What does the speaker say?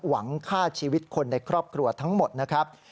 หวังฆ่าชีวิตคนในครอบครัวทั้งหมดนะครับ